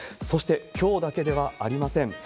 そして、きょうだけではありません。